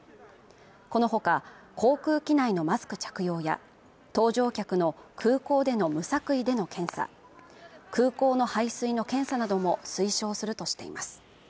このほか航空機内のマスク着用や搭乗客の空港での無作為での検査空港の排水の検査なども推奨するとしています